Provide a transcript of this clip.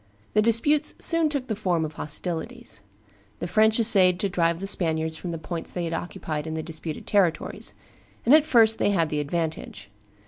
The disputes soon took the form of hostilities. The French essayed to drive the Spaniards from the points they had occupied in the disputed territories; and at first they had the advantage.